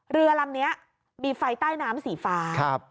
เรือลำนี้มีไฟใต้น้ำสีฟ้า